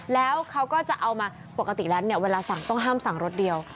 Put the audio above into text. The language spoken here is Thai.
แล้วเขาก็จะเอามาปกติแล้วเนี่ยเวลาสั่งต้องห้ามสั่งรสเดียว